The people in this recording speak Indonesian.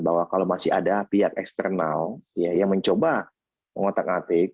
bahwa kalau masih ada pihak eksternal yang mencoba mengotak atik